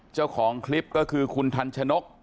เจ้าของคลิปก็คือคุณทันชนก